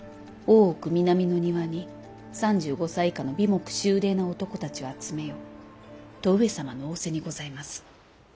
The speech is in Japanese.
奥南の庭に３５歳以下の眉目秀麗な男たちを集めよと上様の仰せにございます。